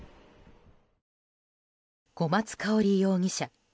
小松香織容疑者。